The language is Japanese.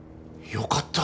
よかった。